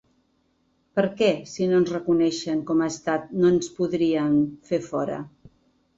Perquè si no ens reconeixen com a estat no ens podrien fer fora.